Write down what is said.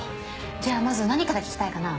じゃあまず何から聞きたいかな？